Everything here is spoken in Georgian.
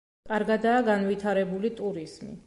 კარგადაა განვითარებული ტურიზმი.